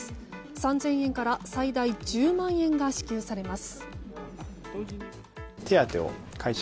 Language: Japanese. ３０００円から最大１０万円が支給されます。